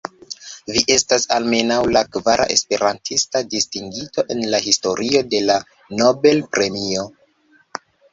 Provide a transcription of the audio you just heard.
Vi estas almenaŭ la kvara esperantista distingito en la historio de la Nobel-premio.